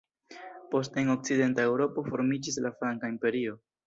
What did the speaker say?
Poste en okcidenta Eŭropo formiĝis la franka imperio.